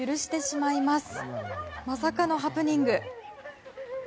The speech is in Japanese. まさかのハプニング。